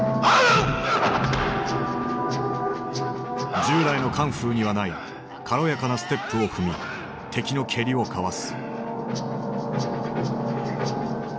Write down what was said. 従来のカンフーにはない軽やかなステップを踏み敵の蹴りをかわす。